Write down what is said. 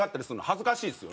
恥ずかしい。